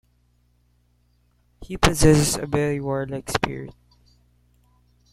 He possessed a very warlike spirit.